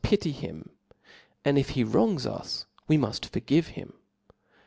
" pity bim % and if be wrongs usy we muft forgive bim.